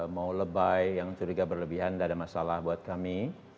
mau lebay yang curiga berlebihan tidak ada masalah buat kami